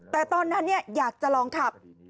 แต่ตอนนั้นอยากจะลองขับ